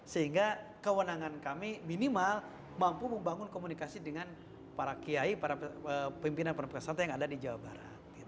sehingga kewenangan kami minimal mampu membangun komunikasi dengan para kiai para pimpinan pemerintah yang ada di jawa barat